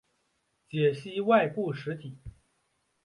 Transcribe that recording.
解析外部实体。